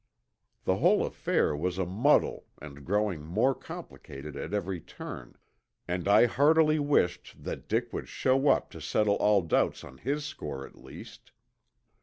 The whole affair was a muddle and growing more complicated at every turn, and I heartily wished that Dick would show up to settle all doubts on his score at least.